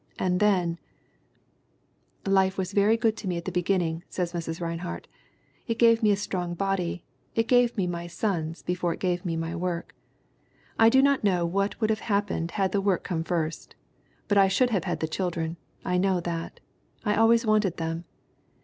And then "Life was very good to me at the beginning," says Mrs. Rinehart. "It gave me a strong body, and it gave me my sons before it gave me my work. I do not know what would have happened had the work come first. But I should have had the children. I know that. I had always wanted them.